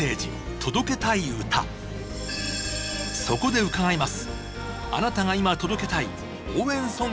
そこで伺います。